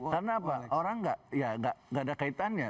karena apa orang gak ada kaitannya